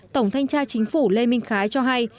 tổng thanh tra chính phủ lê minh khái cho hay